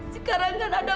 sekarang kan ada bapak